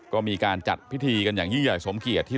ก็มีการจัดพิธีกันอย่างยิ่งใหญ่สมเกียจที่